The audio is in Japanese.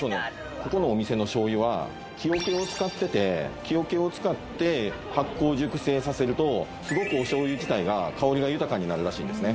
ここのお店の醤油は木桶を使ってて木桶を使って発酵熟成させるとすごくお醤油自体が香りが豊かになるらしいんですね